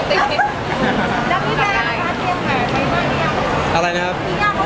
ไม่ได้เจอในคุณหรอก